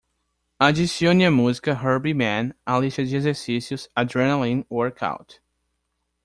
Adicione a música Herbie Mann à lista de exercícios Adrenaline Workout.